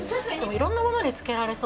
いろんなものにつけられそう。